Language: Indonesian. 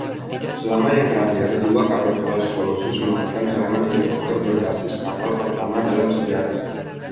Selama yang terakhir, dua kapal kelas “Colossus” melakukan serangan helikopter berbasis kapal pertama dalam sejarah.